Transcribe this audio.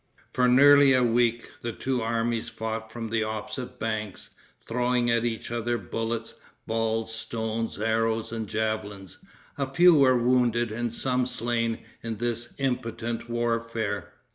For nearly a week the two armies fought from the opposite banks, throwing at each other bullets, balls, stones, arrows and javelins. A few were wounded and some slain in this impotent warfare.